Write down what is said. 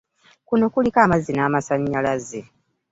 Kuno kuliko amazzi n'amasannyalaze